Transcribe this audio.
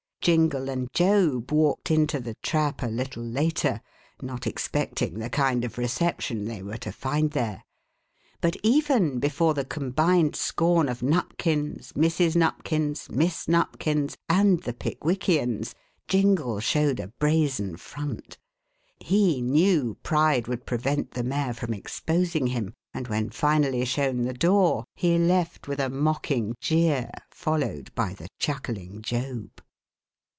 Jingle and Job walked into the trap a little later, not expecting the kind of reception they were to find there. But even before the combined scorn of Nupkins, Mrs. Nupkins, Miss Nupkins and the Pickwickians, Jingle showed a brazen front. He knew pride would prevent the mayor from exposing him, and when finally shown the door, he left with a mocking jeer, followed by the chuckling Job.